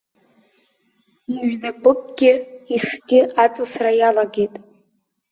Иҩнапыкгьы ихгьы аҵысра иалагеит.